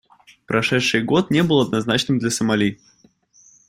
Прошедший год не был однозначным для Сомали.